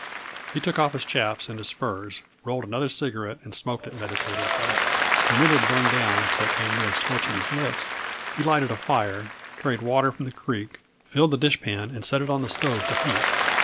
He took off his chaps and his spurs, rolled another cigarette and smoked it meditatively. When it had burned down so that it came near scorching his lips, he lighted a fire, carried water from the creek, filled the dishpan and set it on the stove to heat.